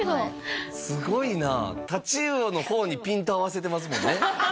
すごいなタチウオの方にピント合わせてますもんね